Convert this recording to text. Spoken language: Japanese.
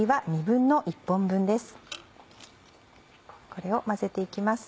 これを混ぜて行きます。